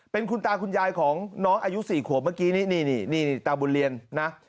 เป็นคุณตาคุณยายของน้องอายุ๔ขวบเมื่อกี้นี่ตาบุญเรียนนะ